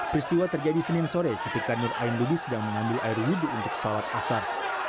peristiwa terjadi senin sore ketika nur ayn lubis sedang mengambil air wujud untuk pesawat asar